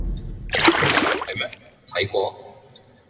係咩？睇過？